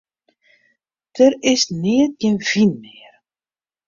Der is neat gjin wyn mear.